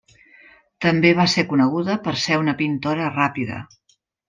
També va ser coneguda per ser una pintora ràpida.